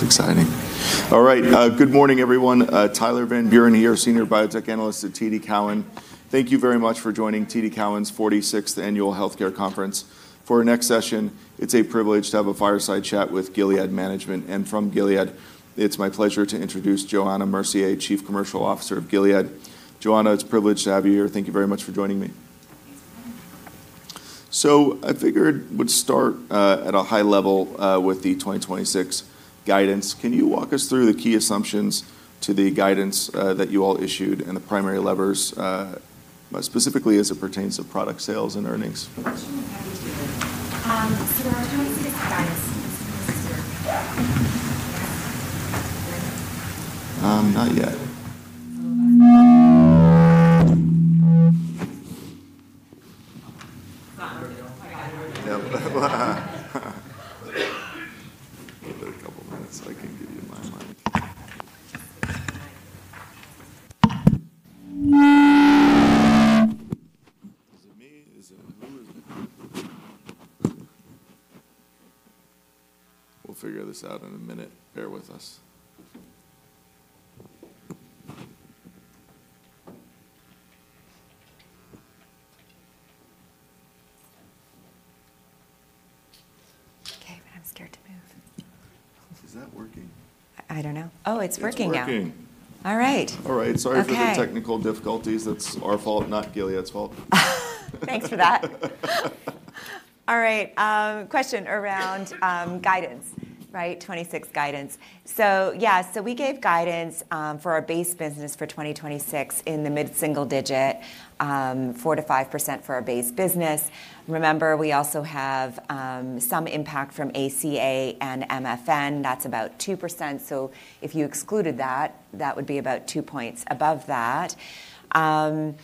It's exciting. All right. Good morning, everyone. Tyler Van Buren here, Senior Biotech Analyst at TD Cowen. Thank you very much for joining TD Cowen's 46th Annual Healthcare Conference. For our next session, it's a privilege to have a fireside chat with Gilead management. From Gilead, it's my pleasure to introduce Johanna Mercier, Chief Commercial Officer of Gilead. Johanna, it's a privilege to have you here. Thank you very much for joining me. Thanks for having me. I figured we'd start at a high level with the 2026 guidance. Can you walk us through the key assumptions to the guidance that you all issued and the primary levers specifically as it pertains to product sales and earnings? Question on guidance. The 2026 guidance this year. Not yet. Yep. Give it two minutes so I can give you my mic. Is it me? Who is it? We'll figure this out in a minute. Bear with us. Okay. I'm scared to move. Is that working? I don't know. Oh, it's working now. It's working. All right. All right. Okay. Sorry for the technical difficulties. That's our fault, not Gilead's fault. Thanks for that. All right. Question around guidance. 2026 guidance. We gave guidance for our base business for 2026 in the mid-single digit, 4%-5% for our base business. Remember, we also have some impact from ACA and MFN. That's about 2%. If you excluded that would be about two points above that. Our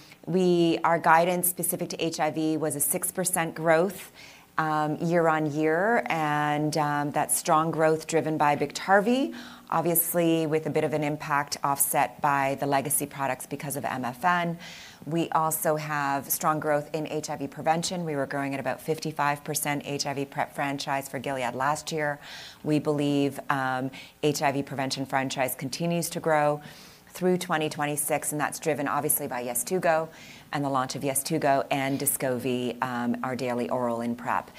guidance specific to HIV was a 6% growth year-over-year and that strong growth driven by Biktarvy, obviously with a bit of an impact offset by the legacy products because of MFN. We also have strong growth in HIV prevention. We were growing at about 55% HIV PrEP franchise for Gilead last year. We believe HIV prevention franchise continues to grow through 2026. That's driven obviously by Descovy and the launch of Descovy and Descovy, our daily oral in PrEP.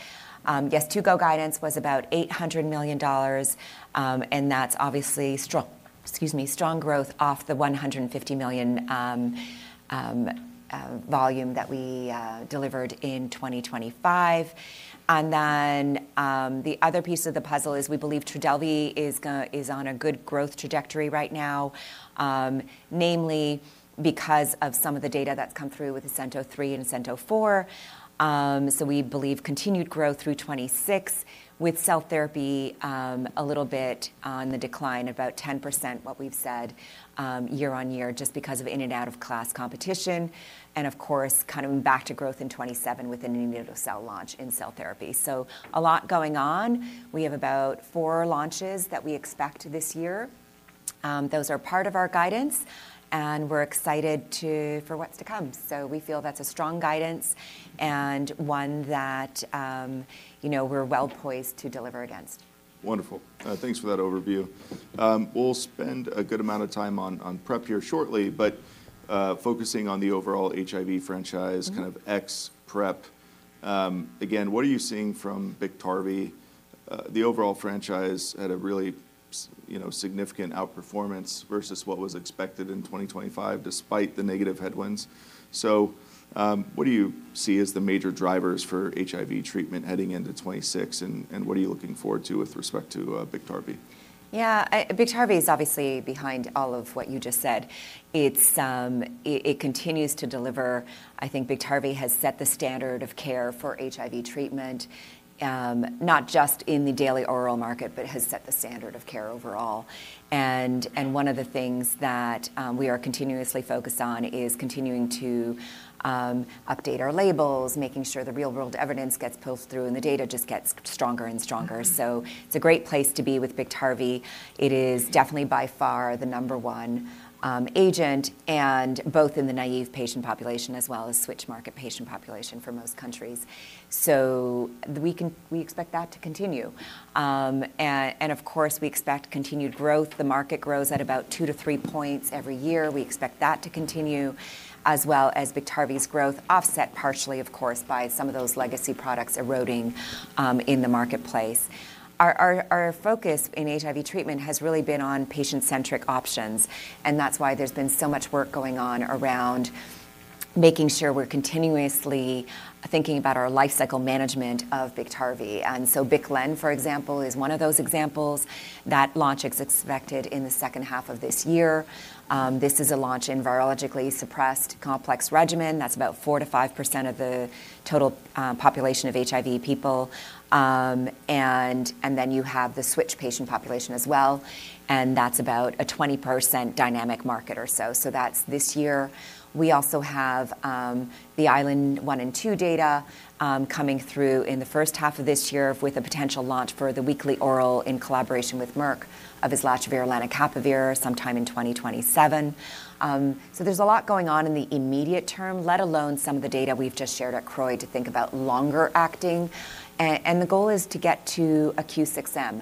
Descovy guidance was about $800 million. That's obviously, excuse me, strong growth off the $150 million volume that we delivered in 2025. The other piece of the puzzle is we believe Trodelvy is on a good growth trajectory right now, namely because of some of the data that's come through with ASCENT-03 and ASCENT-04. We believe continued growth through 2026 with cell therapy, a little bit on the decline, about 10% what we've said year-on-year, just because of in and out of class competition. Of course, kind of back to growth in 2027 with an anito-cel launch in cell therapy. A lot going on. We have about four launches that we expect this year. Those are part of our guidance, and we're excited for what's to come. We feel that's a strong guidance and one that, you know, we're well poised to deliver against. Wonderful. Thanks for that overview. We'll spend a good amount of time on PrEP here shortly, but, focusing on the overall HIV franchise- Mm-hmm. -kind of ex PrEP. Again, what are you seeing from Biktarvy? The overall franchise had a really you know, significant outperformance versus what was expected in 2025 despite the negative headwinds. What do you see as the major drivers for HIV treatment heading into 2026, and what are you looking forward to with respect to Biktarvy? Yeah. Biktarvy is obviously behind all of what you just said. It's. It continues to deliver. I think Biktarvy has set the standard of care for HIV treatment, not just in the daily oral market, but has set the standard of care overall. One of the things that we are continuously focused on is continuing to update our labels, making sure the real-world evidence gets pulled through, and the data just gets stronger and stronger. It's a great place to be with Biktarvy. It is definitely by far the number one agent and both in the naive patient population as well as switch market patient population for most countries. We expect that to continue. Of course, we expect continued growth. The market grows at about two to three points every year. We expect that to continue, as well as Biktarvy's growth offset partially, of course, by some of those legacy products eroding in the marketplace. Our focus in HIV treatment has really been on patient-centric options, and that's why there's been so much work going on around making sure we're continuously thinking about our lifecycle management of Biktarvy. BIC/LEN, for example, is one of those examples. That launch is expected in the second half of this year. This is a launch in virologically suppressed complex regimen. That's about 4%-5% of the total population of HIV people. Then you have the switch patient population as well, and that's about a 20% dynamic market or so. That's this year. We also have the ISLAND 1 and 2 data coming through in the first half of this year with a potential launch for the weekly oral in collaboration with Merck of islatravir/lenacapavir sometime in 2027. There's a lot going on in the immediate term, let alone some of the data we've just shared at CROI to think about longer acting. The goal is to get to a Q6M,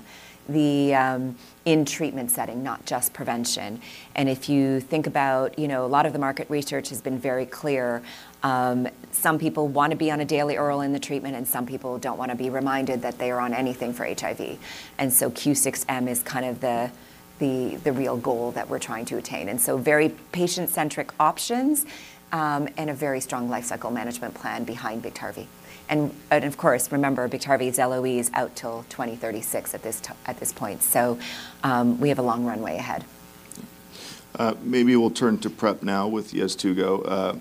the in treatment setting, not just prevention. If you think about, you know, a lot of the market research has been very clear. Some people want to be on a daily oral in the treatment, and some people don't want to be reminded that they are on anything for HIV. Q6M is kind of the real goal that we're trying to attain. Very patient-centric options, and a very strong lifecycle management plan behind Biktarvy. And of course, remember Biktarvy's LOE is out till 2036 at this point. We have a long runway ahead. Maybe we'll turn to PrEP now with Yeztugo.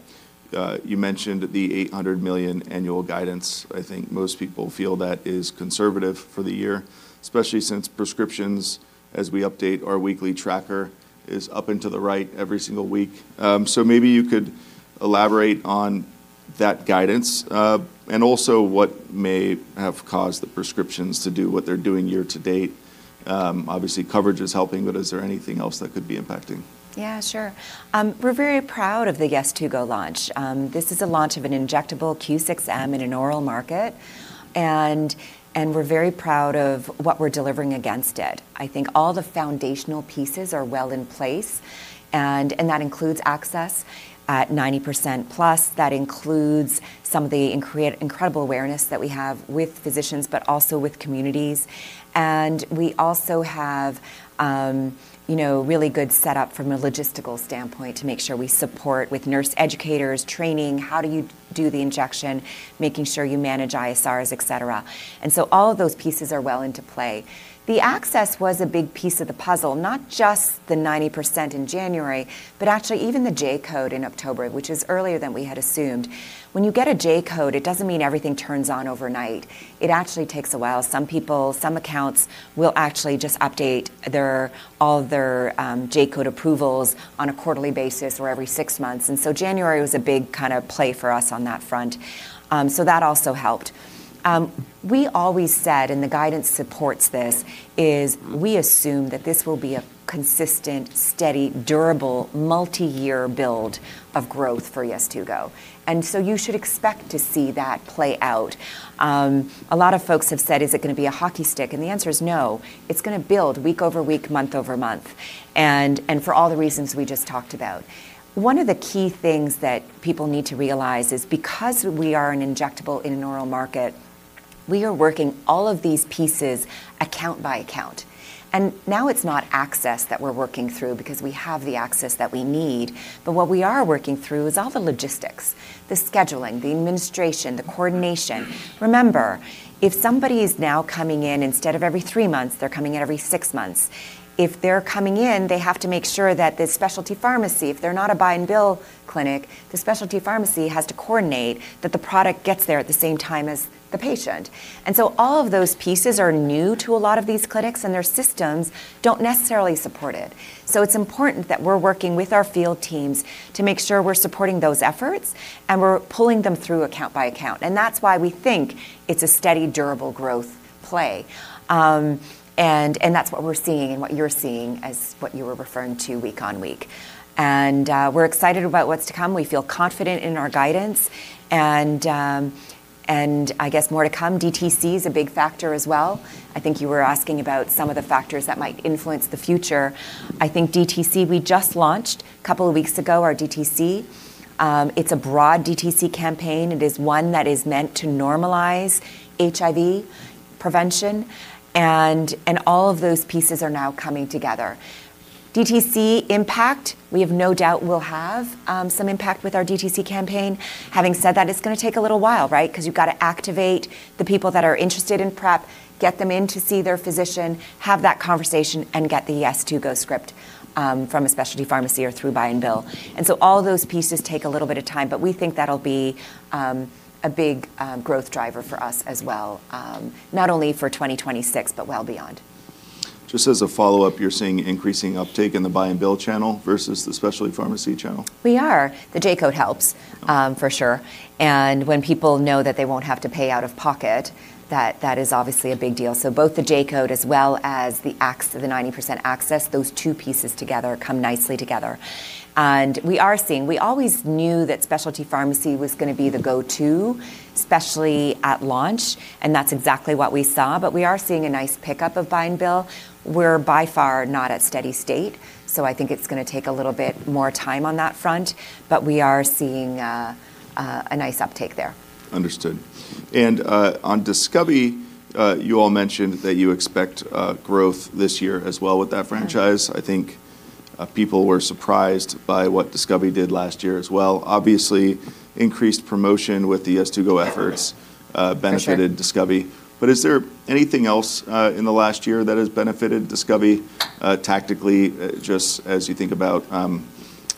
You mentioned the $800 million annual guidance. I think most people feel that is conservative for the year, especially since prescriptions, as we update our weekly tracker, is up and to the right every single week. Maybe you could elaborate on that guidance, and also what may have caused the prescriptions to do what they're doing year to date. Obviously coverage is helping, but is there anything else that could be impacting? Yeah, sure. We're very proud of the Yeztugo launch. This is a launch of an injectable Q6M in an oral market and we're very proud of what we're delivering against it. I think all the foundational pieces are well in place and that includes access at 90%+. That includes some of the incredible awareness that we have with physicians, but also with communities. We also have, you know, really good setup from a logistical standpoint to make sure we support with nurse educators, training, how do you do the injection, making sure you manage ISR, et cetera. All of those pieces are well into play. The access was a big piece of the puzzle, not just the 90% in January, but actually even the J-code in October, which is earlier than we had assumed. When you get a J-code, it doesn't mean everything turns on overnight. It actually takes a while. Some people, some accounts will actually just update their, all their, J-code approvals on a quarterly basis or every six months. January was a big kind of play for us on that front. That also helped. We always said, and the guidance supports this, is we assume that this will be a consistent, steady, durable, multi-year build of growth for Yeztugo. You should expect to see that play out. A lot of folks have said, "Is it going to be a hockey stick?" The answer is no. It's going to build week over week, month over month, and for all the reasons we just talked about. One of the key things that people need to realize is because we are an injectable in an oral market, we are working all of these pieces account by account. Now it's not access that we're working through because we have the access that we need, but what we are working through is all the logistics, the scheduling, the administration, the coordination. Remember, if somebody is now coming in, instead of every three months, they're coming in every six months. If they're coming in, they have to make sure that the specialty pharmacy, if they're not a buy-and-bill clinic, the specialty pharmacy has to coordinate that the product gets there at the same time as the patient. So all of those pieces are new to a lot of these clinics, and their systems don't necessarily support it. It's important that we're working with our field teams to make sure we're supporting those efforts, and we're pulling them through account by account. That's why we think it's a steady, durable growth play. That's what we're seeing and what you're seeing as what you were referring to week on week. We're excited about what's to come. We feel confident in our guidance and I guess more to come. DTC is a big factor as well. I think you were asking about some of the factors that might influence the future. I think DTC, we just launched a couple of weeks ago our DTC. It's a broad DTC campaign. It is one that is meant to normalize HIV prevention and all of those pieces are now coming together. DTC impact, we have no doubt we'll have, some impact with our DTC campaign. Having said that, it's gonna take a little while, right? 'Cause you've gotta activate the people that are interested in PrEP, get them in to see their physician, have that conversation, and get the Yeztugo script, from a specialty pharmacy or through buy-and-bill. All of those pieces take a little bit of time, but we think that'll be, a big, growth driver for us as well, not only for 2026, but well beyond. As a follow-up, you're seeing increasing uptake in the buy-and-bill channel versus the specialty pharmacy channel? We are. The J-code helps, for sure. When people know that they won't have to pay out of pocket, that is obviously a big deal. Both the J-code as well as the 90% access, those two pieces together come nicely together. We are seeing. We always knew that specialty pharmacy was gonna be the go-to, especially at launch, and that's exactly what we saw. We are seeing a nice pickup of buy-and-bill. We're by far not at steady state, so I think it's gonna take a little bit more time on that front, but we are seeing a nice uptake there. Understood. On Descovy, you all mentioned that you expect growth this year as well with that franchise. I think people were surprised by what Descovy did last year as well. Obviously, increased promotion with the Yeztugo efforts. For sure.... benefited Descovy. Is there anything else in the last year that has benefited Descovy tactically just as you think about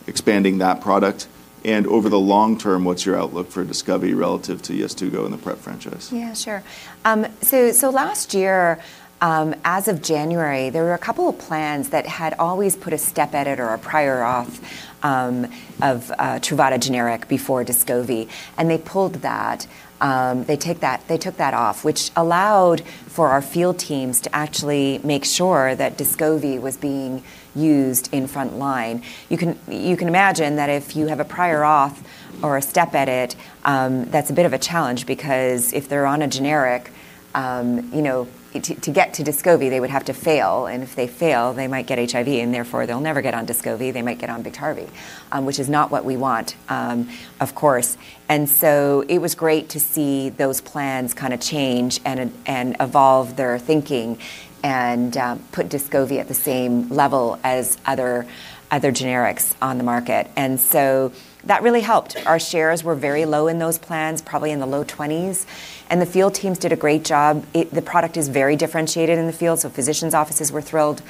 expanding that product? Over the long term, what's your outlook for Descovy relative to Yeztugo and the PrEP franchise? Yeah, sure. So last year, as of January, there were a couple of plans that had always put a step edit or a prior auth of Truvada generic before Descovy, and they pulled that. They took that off, which allowed for our field teams to actually make sure that Descovy was being used in front line. You can imagine that if you have a prior auth or a step edit, that's a bit of a challenge because if they're on a generic, you know, to get to Descovy, they would have to fail, and if they fail, they might get HIV, and therefore they'll never get on Descovy. They might get on Biktarvy, which is not what we want, of course. It was great to see those plans kinda change and evolve their thinking and put Descovy at the same level as other generics on the market. That really helped. Our shares were very low in those plans, probably in the low twenties, and the field teams did a great job. The product is very differentiated in the field, so physicians' offices were thrilled.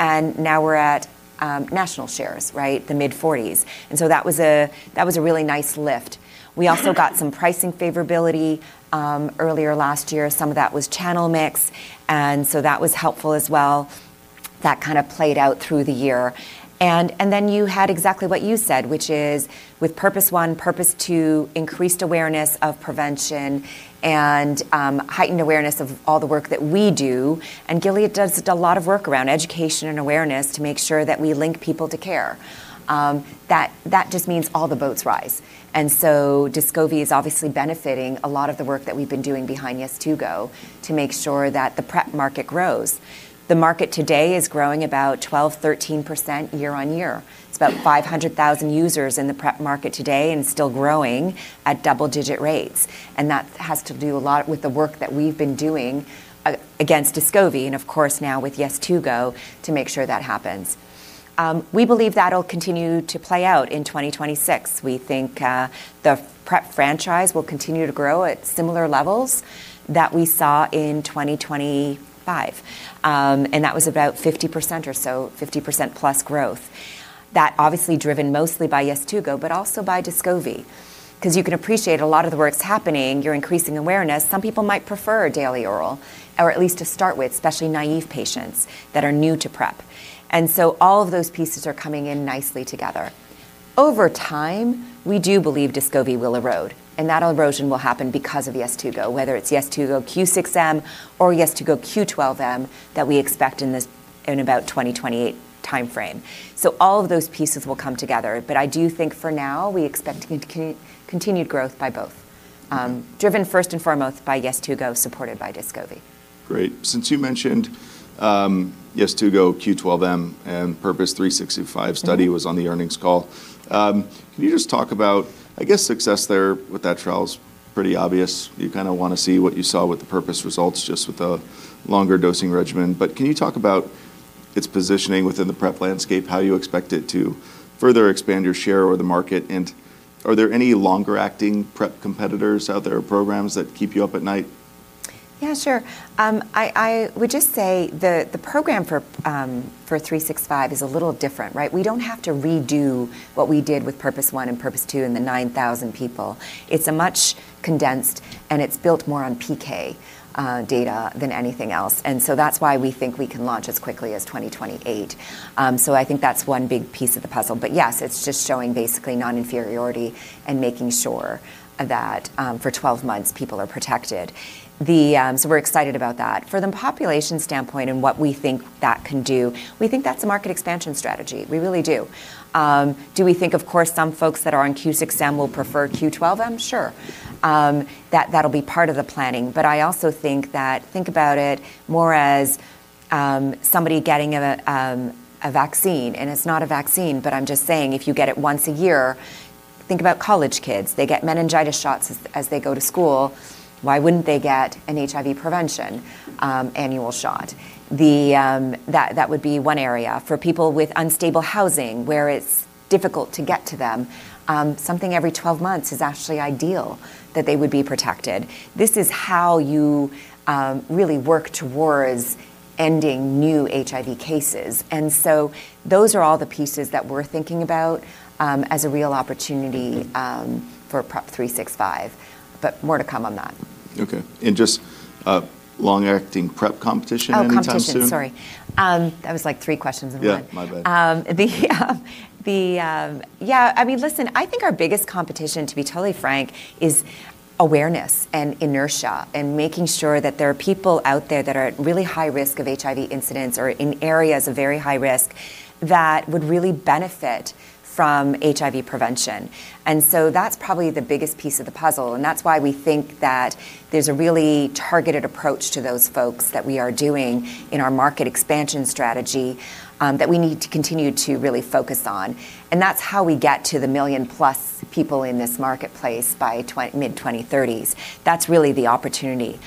Now we're at national shares, right? The mid-forties. That was a really nice lift. We also got some pricing favorability earlier last year. Some of that was channel mix, and so that was helpful as well. That kind of played out through the year. Then you had exactly what you said, which is with PURPOSE 1, PURPOSE 2, increased awareness of prevention and heightened awareness of all the work that we do. Gilead does a lot of work around education and awareness to make sure that we link people to care. That just means all the boats rise. Descovy is obviously benefiting a lot of the work that we've been doing behind Yeztugo to make sure that the PrEP market grows. The market today is growing about 12%-13% year on year. It's about 500,000 users in the PrEP market today and still growing at double-digit rates. That has to do a lot with the work that we've been doing against Descovy and of course now with Yeztugo to make sure that happens. We believe that'll continue to play out in 2026. We think the PrEP franchise will continue to grow at similar levels that we saw in 2025. That was about 50% or so, 50%+ growth. That obviously driven mostly by Yeztugo, but also by Descovy, 'cause you can appreciate a lot of the work's happening, you're increasing awareness, some people might prefer a daily oral, or at least to start with, especially naive patients that are new to PrEP. All of those pieces are coming in nicely together. Over time, we do believe Descovy will erode, and that erosion will happen because of Yeztugo, whether it's Yeztugo Q6M or Yeztugo Q12M that we expect in this, in about 2028 timeframe. All of those pieces will come together. I do think for now, we expect continued growth by both, driven first and foremost by Yeztugo, supported by Descovy. Great. Since you mentioned Yeztugo Q12M and PURPOSE 365 study was on the earnings call. Can you just talk about, I guess success there with that trial is pretty obvious. You kinda wanna see what you saw with the Purpose results just with a longer dosing regimen. Can you talk about its positioning within the PrEP landscape, how you expect it to further expand your share or the market? Are there any longer-acting PrEP competitors out there or programs that keep you up at night? Yeah, sure. I would just say the program for PURPOSE 365 is a little different, right? We don't have to redo what we did with PURPOSE 1 and PURPOSE 2 and the 9,000 people. It's a much condensed, and it's built more on PK data than anything else. That's why we think we can launch as quickly as 2028. I think that's one big piece of the puzzle. Yes, it's just showing basically non-inferiority and making sure that, for 12 months, people are protected. We're excited about that. For the population standpoint and what we think that can do, we think that's a market expansion strategy. We really do. Do we think, of course, some folks that are on Q6M will prefer Q12M? Sure. That'll be part of the planning. I also think about it more as somebody getting a vaccine, and it's not a vaccine, but I'm just saying if you get it once a year, think about college kids. They get meningitis shots as they go to school. Why wouldn't they get an HIV prevention annual shot? That would be one area. For people with unstable housing, where it's difficult to get to them, something every 12 months is actually ideal that they would be protected. This is how you really work towards ending new HIV cases. Those are all the pieces that we're thinking about as a real opportunity. Mm-hmm for PURPOSE 365, but more to come on that. Okay. Just long-acting PrEP competition anytime soon? Competition. Sorry. That was like 3 questions in one. Yeah, my bad. I mean, listen, I think our biggest competition, to be totally frank, is awareness and inertia and making sure that there are people out there that are at really high risk of HIV incidents or in areas of very high risk that would really benefit from HIV prevention. That's probably the biggest piece of the puzzle, and that's why we think that there's a really targeted approach to those folks that we are doing in our market expansion strategy, that we need to continue to really focus on. That's how we get to the million-plus people in this marketplace by mid-2030s. That's really the opportunity.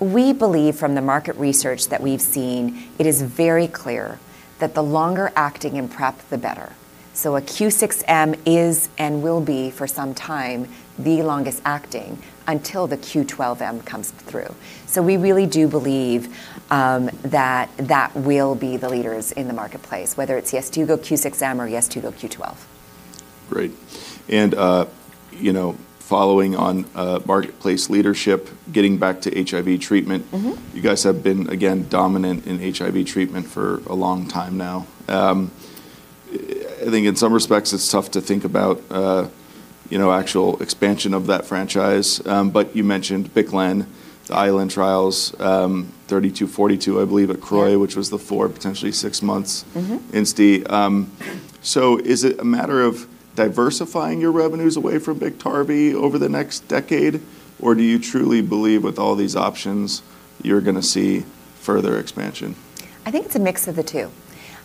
We believe from the market research that we've seen, it is very clear that the longer acting in PrEP, the better. A Q6M is and will be for some time, the longest acting until the Q12M comes through. We really do believe that that will be the leaders in the marketplace, whether it's Yeztugo Q6M or Yeztugo Q12. Great. you know, following on, marketplace leadership, getting back to HIV treatment. Mm-hmm. You guys have been, again, dominant in HIV treatment for a long time now. I think in some respects, it's tough to think about, you know, actual expansion of that franchise. You mentioned BIC/LEN, the ISLAND trials, GS-3242, I believe, at CROI- Yeah which was the four, potentially six months- Mm-hmm Is it a matter of diversifying your revenues away from Biktarvy over the next decade? Or do you truly believe with all these options, you're gonna see further expansion? I think it's a mix of the two.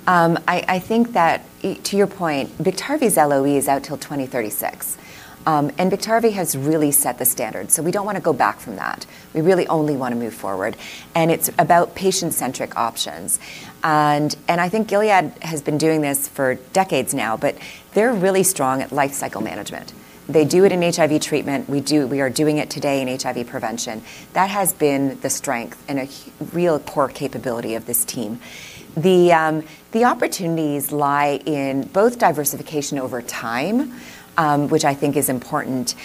I think that, to your point, Biktarvy's LOE is out till 2036. Biktarvy has really set the standard, so we don't wanna go back from that. We really only wanna move forward, it's about patient-centric options. I think Gilead has been doing this for decades now, but they're really strong at life cycle management. They do it in HIV treatment. We are doing it today in HIV prevention. That has been the strength and a real core capability of this team. The opportunities lie in both diversification over time, which I think is important,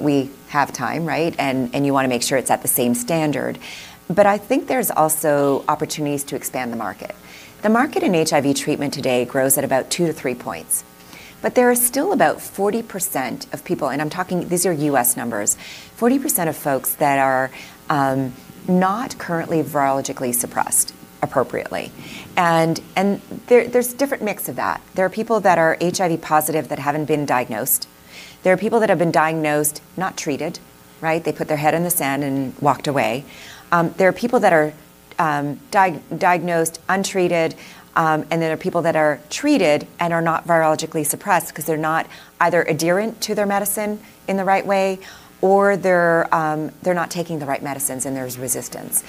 we have time, right? You wanna make sure it's at the same standard. I think there's also opportunities to expand the market. The market in HIV treatment today grows at about 2-3 points. There are still about 40% of people, and I'm talking these are U.S. numbers, 40% of folks that are not currently virologically suppressed appropriately. There's different mix of that. There are people that are HIV positive that haven't been diagnosed. There are people that have been diagnosed, not treated, right? They put their head in the sand and walked away. There are people that are diagnosed untreated, and there are people that are treated and are not virologically suppressed 'cause they're not either adherent to their medicine in the right way, or they're not taking the right medicines and there's resistance.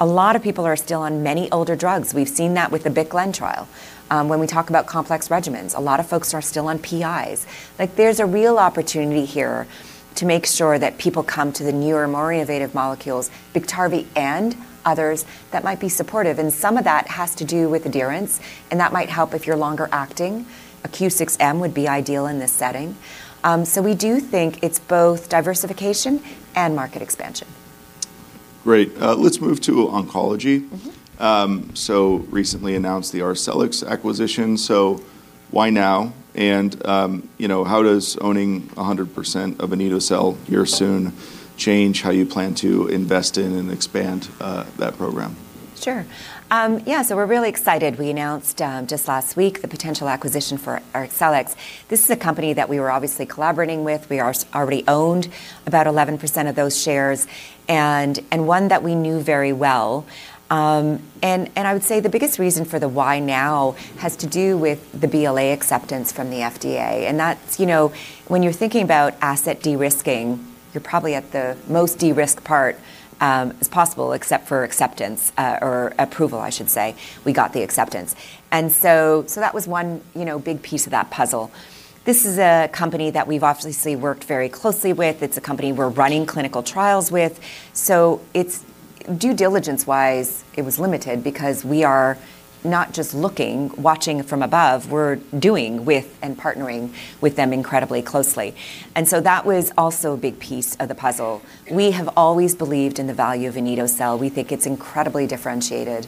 A lot of people are still on many older drugs. We've seen that with the BIC/LEN trial. When we talk about complex regimens, a lot of folks are still on PIs. There's a real opportunity here to make sure that people come to the newer, more innovative molecules, Biktarvy and others that might be supportive, and some of that has to do with adherence, and that might help if you're longer acting. A Q6M would be ideal in this setting. We do think it's both diversification and market expansion. Great. Let's move to oncology. Mm-hmm. Recently announced the Arcellx acquisition, so why now? You know, how does owning 100% of an anito-cel here soon change how you plan to invest in and expand that program? Sure. Yeah, we're really excited. We announced just last week the potential acquisition for Arcellx. This is a company that we were obviously collaborating with. We already owned about 11% of those shares and one that we knew very well. I would say the biggest reason for the why now has to do with the BLA acceptance from the FDA. That's, you know, when you're thinking about asset de-risking, you're probably at the most de-risk part as possible except for acceptance or approval, I should say. We got the acceptance. So that was one, you know, big piece of that puzzle. This is a company that we've obviously worked very closely with. It's a company we're running clinical trials with, so due diligence-wise, it was limited because we are not just looking, watching from above, we're doing with and partnering with them incredibly closely. That was also a big piece of the puzzle. We have always believed in the value of anito-cel. We think it's incredibly differentiated.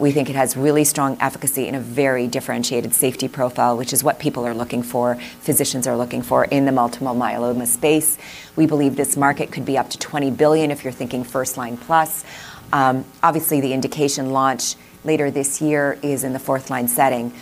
We think it has really strong efficacy and a very differentiated safety profile, which is what people are looking for, physicians are looking for in the multiple myeloma space. We believe this market could be up to $20 billion if you're thinking first-line plus. Obviously the indication launch later this year is in the fourth-line setting.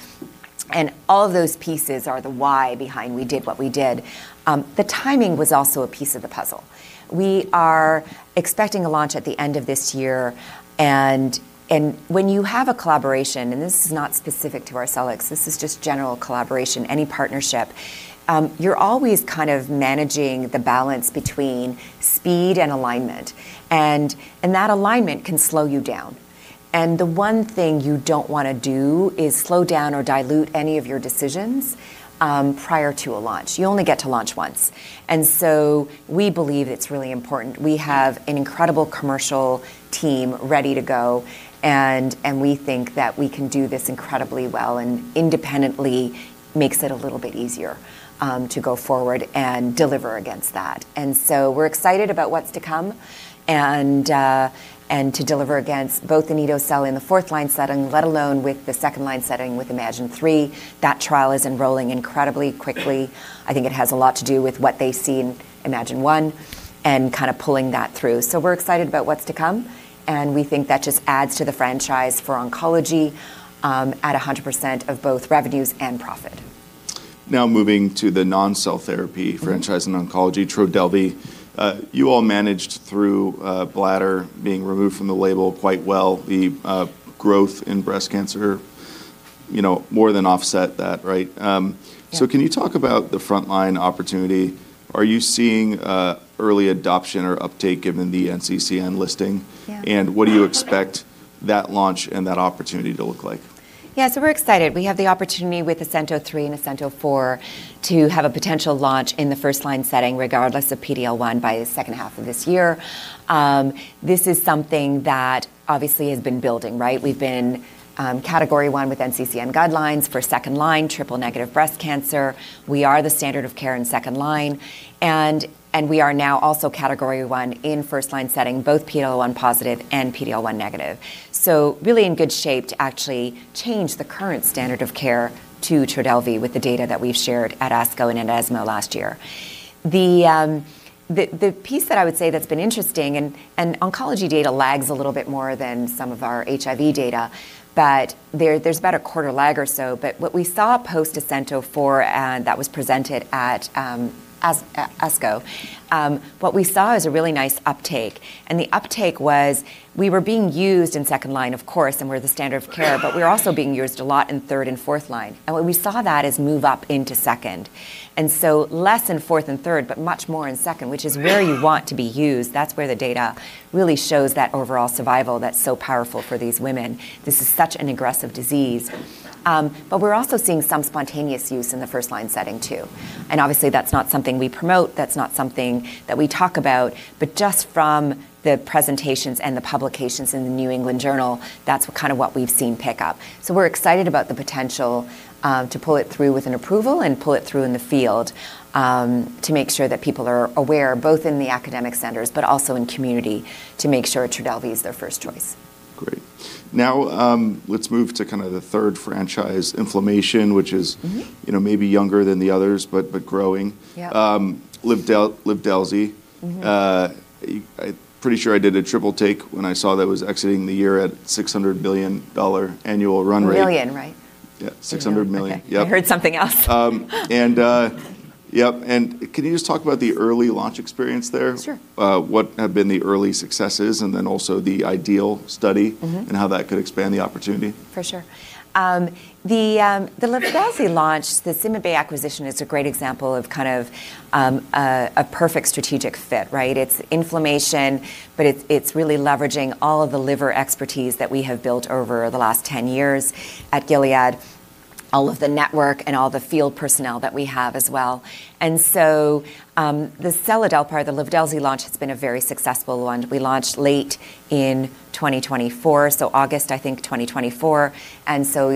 All of those pieces are the why behind we did what we did. The timing was also a piece of the puzzle. We are expecting a launch at the end of this year, when you have a collaboration, and this is not specific to Arcellx, this is just general collaboration, any partnership, you're always kind of managing the balance between speed and alignment, that alignment can slow you down. The one thing you don't wanna do is slow down or dilute any of your decisions prior to a launch. You only get to launch once. We believe it's really important. We have an incredible commercial team ready to go, we think that we can do this incredibly well and independently makes it a little bit easier to go forward and deliver against that. We're excited about what's to come and to deliver against both anito-cel in the fourth-line setting, let alone with the second-line setting with iMMagine-3. That trial is enrolling incredibly quickly. I think it has a lot to do with what they see in iMMagine-1 and kinda pulling that through. We're excited about what's to come, and we think that just adds to the franchise for oncology at 100% of both revenues and profit. Now moving to the non-cell therapy franchise in oncology, Trodelvy. You all managed through, bladder being removed from the label quite well. The growth in breast cancer, you know, more than offset that, right? Yeah. Can you talk about the first-line opportunity? Are you seeing early adoption or uptake given the NCCN listing? Yeah. What do you expect that launch and that opportunity to look like? We're excited. We have the opportunity with ASCENT-03 and ASCENT-04 to have a potential launch in the first-line setting regardless of PD-L1 by the second half of this year. This is something that obviously has been building, right? We've been Category 1 with NCCN guidelines for second-line triple-negative breast cancer. We are the standard of care in second-line and we are now also Category 1 in first-line setting, both PD-L1 positive and PD-L1 negative. Really in good shape to actually change the current standard of care to Trodelvy with the data that we've shared at ASCO and at ESMO last year. The piece that I would say that's been interesting and oncology data lags a little bit more than some of our HIV data, but there's about a quarter lag or so. What we saw post-ASCENT-04, that was presented at ASCO, what we saw is a really nice uptake, and the uptake was we were being used in second-line, of course, and we're the standard of care, but we're also being used a lot in third- and fourth-line. What we saw that is move up into second, and so less in fourth and third, but much more in second, which is where you want to be used. That's where the data really shows that overall survival that's so powerful for these women. This is such an aggressive disease. We're also seeing some spontaneous use in the first-line setting too, and obviously that's not something we promote, that's not something that we talk about, but just from the presentations and the publications in the New England Journal, that's kind of what we've seen pick up. We're excited about the potential to pull it through with an approval and pull it through in the field to make sure that people are aware both in the academic centers, but also in community to make sure Trodelvy is their first choice. Great. Let's move to kinda the third franchise, inflammation. Mm-hmm you know, maybe younger than the others, but growing. Yeah. Trodelvy. Mm-hmm. I'm pretty sure I did a triple take when I saw that it was exiting the year at $600 billion annual run rate. Million, right? Yeah, $600 million. Okay. Yeah. I heard something else. Yep, and can you just talk about the early launch experience there? Sure. What have been the early successes and also the IDEAL study? Mm-hmm and how that could expand the opportunity. For sure. The seladelpar launch, the CymaBay acquisition is a great example of a perfect strategic fit, right. It's inflammation, but it's really leveraging all of the liver expertise that we have built over the last 10 years at Gilead, all of the network and all the field personnel that we have as well. The seladelpar, the seladelpar launch has been a very successful one. We launched late in 2024, so August 2024,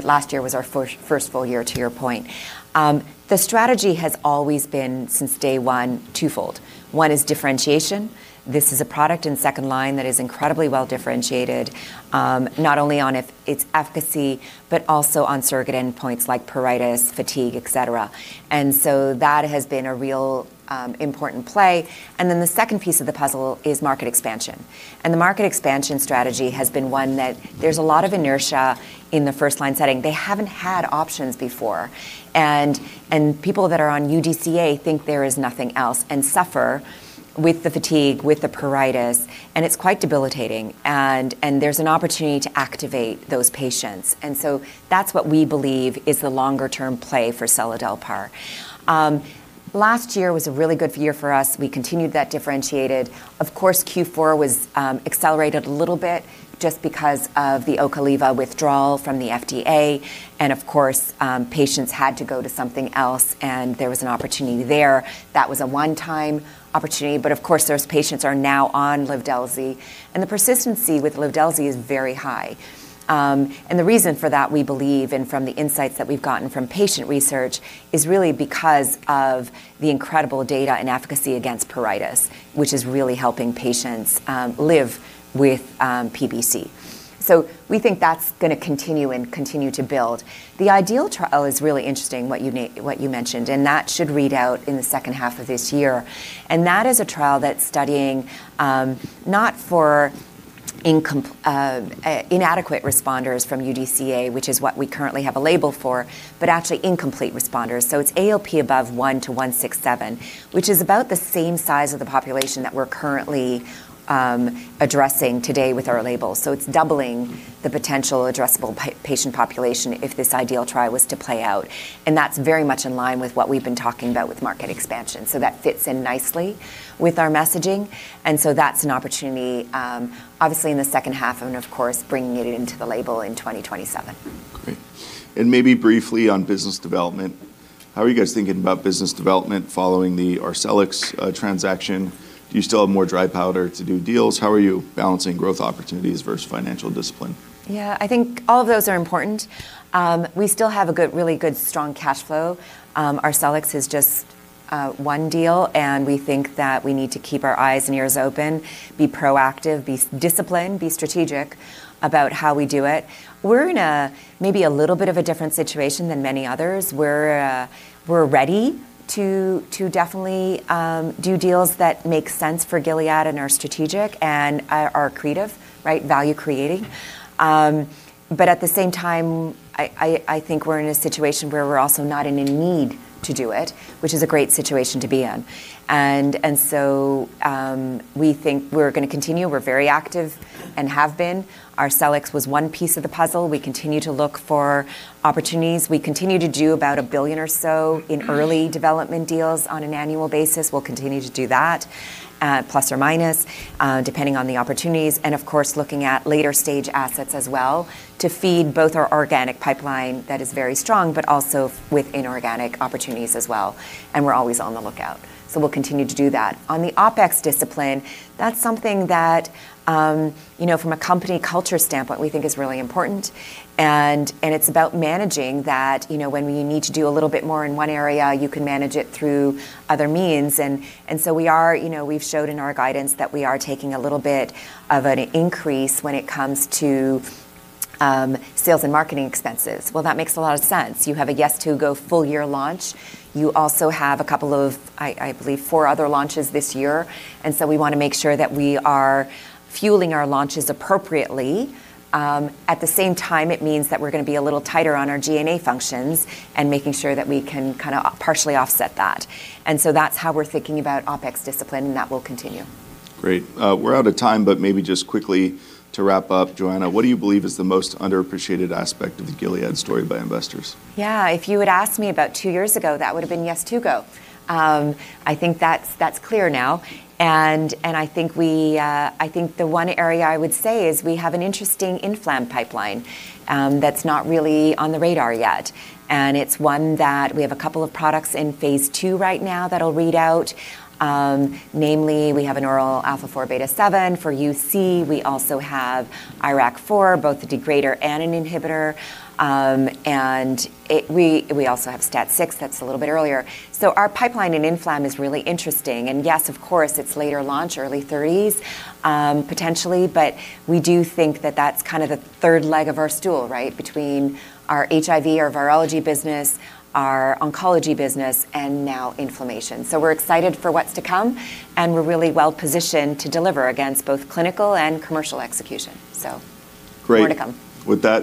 last year was our first full year, to your point. The strategy has always been, since day one, twofold. 1 is differentiation. This is a product in second-line that is incredibly well-differentiated, not only on its efficacy, but also on surrogate endpoints like pruritus, fatigue, et cetera. That has been a real important play. The second piece of the puzzle is market expansion. The market expansion strategy has been one that there's a lot of inertia in the first-line setting. They haven't had options before. People that are on UDCA think there is nothing else and suffer with the fatigue, with the pruritus, and it's quite debilitating and there's an opportunity to activate those patients. That's what we believe is the longer term play for Seladelpar. Last year was a really good year for us. We continued that differentiated. Q4 was accelerated a little bit just because of the Ocaliva withdrawal from the FDA. Patients had to go to something else, and there was an opportunity there. That was a one-time opportunity, but of course those patients are now on Livdelzi. The persistency with Livdelzi is very high. The reason for that, we believe, and from the insights that we've gotten from patient research, is really because of the incredible data and efficacy against pruritus, which is really helping patients live with PBC. We think that's gonna continue and continue to build. The IDEAL trial is really interesting, what you mentioned, and that should read out in the second half of this year. That is a trial that's studying not for inadequate responders from UDCA, which is what we currently have a label for, but actually incomplete responders. It's ALP above 1,167, which is about the same size of the population that we're currently addressing today with our label. It's doubling the potential addressable patient population if this IDEAL trial was to play out. That's very much in line with what we've been talking about with market expansion. That fits in nicely with our messaging. That's an opportunity, obviously in the second half and of course bringing it into the label in 2027. Great. Maybe briefly on business development, how are you guys thinking about business development following the Arcellx transaction? Do you still have more dry powder to do deals? How are you balancing growth opportunities versus financial discipline? Yeah. I think all of those are important. We still have a good, really good, strong cash flow. Arcellx is just one deal, and we think that we need to keep our eyes and ears open, be proactive, be disciplined, be strategic about how we do it. We're in a maybe a little bit of a different situation than many others. We're ready to definitely, do deals that make sense for Gilead and are strategic and are creative, right? Value creating. At the same time, I think we're in a situation where we're also not in a need to do it, which is a great situation to be in. We think we're gonna continue. We're very active and have been. Arcellx was one piece of the puzzle. We continue to look for opportunities. We continue to do about $1 billion or so in early development deals on an annual basis. We'll continue to do that, plus or minus, depending on the opportunities. Of course, looking at later stage assets as well to feed both our organic pipeline that is very strong, but also with inorganic opportunities as well. We're always on the lookout. We'll continue to do that. On the OpEx discipline, that's something that, you know, from a company culture standpoint, we think is really important. It's about managing that, you know, when you need to do a little bit more in one area, you can manage it through other means. So we are, you know, we've showed in our guidance that we are taking a little bit of an increase when it comes to sales and marketing expenses. Well, that makes a lot of sense. You have a Yeztugo full year launch. You also have a couple of, I believe, four other launches this year. We wanna make sure that we are fueling our launches appropriately. At the same time, it means that we're gonna be a little tighter on our G&A functions and making sure that we can kinda partially offset that. That's how we're thinking about OpEx discipline, and that will continue. Great. We're out of time, but maybe just quickly to wrap up, Johanna, what do you believe is the most underappreciated aspect of the Gilead story by investors? Yeah. If you had asked me about two years ago, that would have been Yeztugo. I think that's clear now. I think we, I think the one area I would say is we have an interesting inflam pipeline that's not really on the radar yet. It's one that we have a couple of products in phase II right now that'll read out. Namely, we have an oral alpha-4 beta-7 for UC. We also have IRAK4, both a degrader and an inhibitor. We also have STAT6. That's a little bit earlier. Our pipeline in inflam is really interesting. Yes, of course, it's later launch, early 30s, potentially, but we do think that that's kind of the third leg of our stool, right? Between our HIV, our virology business, our oncology business, and now inflammation. We're excited for what's to come, and we're really well-positioned to deliver against both clinical and commercial execution. Great more to come. With that.